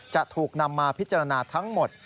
จะถูกนำมาพิจารณาทั้งหมด